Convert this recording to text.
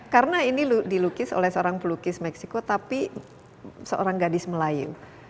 karena ini dilukis oleh seorang pelukis meksiko tapi seorang gadis melayu